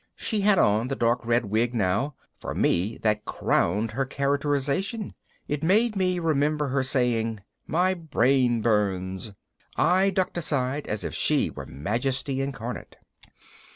She had on the dark red wig now. For me that crowned her characterization. It made me remember her saying, "My brain burns." I ducked aside as if she were majesty incarnate.